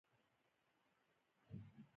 ښایسته او آرام قصر وو.